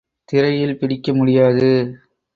திரையில் பிடிக்க முடியாது.